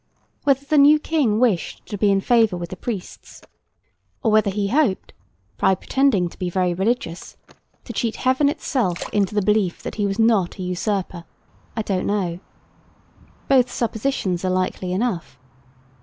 Whether the new King wished to be in favour with the priests, or whether he hoped, by pretending to be very religious, to cheat Heaven itself into the belief that he was not a usurper, I don't know. Both suppositions are likely enough.